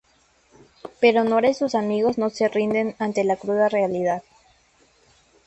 Pero Nora y sus amigas no se rinden ante la cruda realidad.